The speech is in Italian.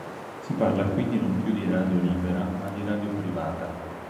Si parla quindi non più di radio libera ma di radio privata.